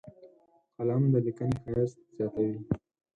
قلم د لیکنې ښایست زیاتوي